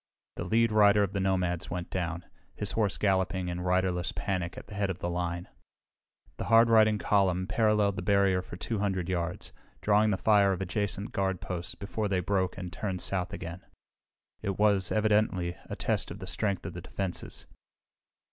The lead rider of the nomads went down, his horse galloping in riderless panic at the head of the line. The hard riding column paralleled the barrier for 200 yards, drawing the fire of adjacent guard posts before they broke and turned south again. It was, evidently, a test of the strength of the defenses.